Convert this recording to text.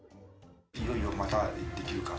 いよいよまたできるか。